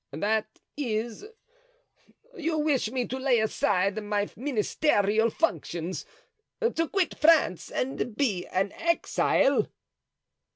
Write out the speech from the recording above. "That is, you wish me to lay aside my ministerial functions, to quit France and be an exile."